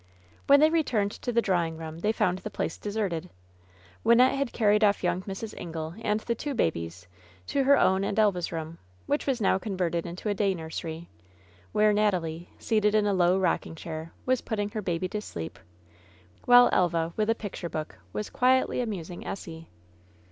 When they returned to the drawing room they found the place deserted. Wynnette had carried off young Mrs. Ingle and the two babies to her own and Elva's room, which was now converted into a day nursery, where Natalie, seated in a low rocking chair, was putting her baby to sleep, while Elva, with a picture book, was quietly amusing Essie.